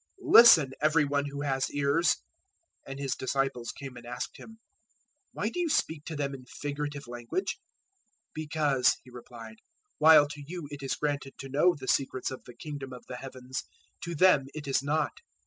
013:009 Listen, every one who has ears!" 013:010 (And His disciples came and asked Him, "Why do you speak to them in figurative language?" 013:011 "Because," He replied, "while to you it is granted to know the secrets of the Kingdom of the Heavens, to them it is not.